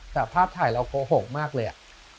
แต่ภาพถ่ายเราโกหกมากเลยอะ